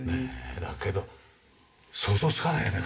だけど想像つかないよね普通。